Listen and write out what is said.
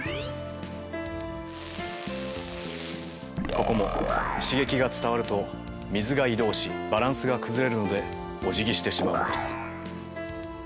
ここも刺激が伝わると水が移動しバランスが崩れるのでおじぎしてしまうのです。